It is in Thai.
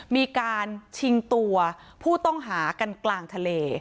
มีการชิงตัวผู้ต้องหากันกลางทะเล